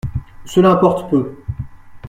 Cela importe peu.